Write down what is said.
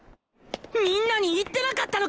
みんなに言ってなかったのか！？